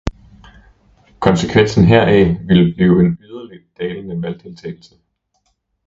Konsekvensen heraf ville blive en yderligt dalende valgdeltagelse.